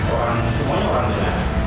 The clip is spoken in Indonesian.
orang semuanya orang dengar